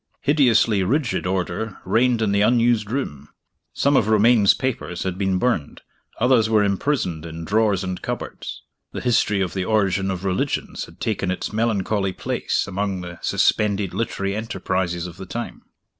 Hideously rigid order reigned in the unused room. Some of Romayne's papers had been burned; others were imprisoned in drawers and cupboards the history of the Origin of Religions had taken its melancholy place among the suspended literary enterprises of the time.